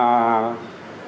họ không có thể đánh giá